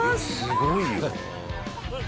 すごいな。